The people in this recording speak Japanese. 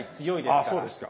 ああそうですか。